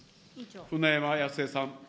舟山康江さん。